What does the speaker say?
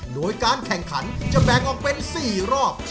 โดยการแข่งขันจะแบ่งออกเป็น๔รอบ